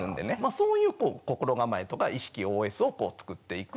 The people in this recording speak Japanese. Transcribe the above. そういう心構えとか意識ＯＳを作っていくって。